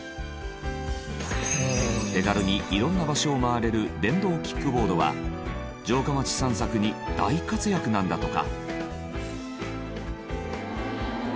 手軽に色んな場所を回れる電動キックボードは城下町散策に大活躍なんだとか。